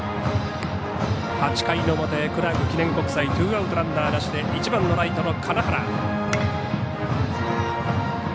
８回の表クラーク記念国際ツーアウト、ランナーなしで１番のライトの金原。